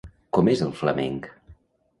Com és el flamenc?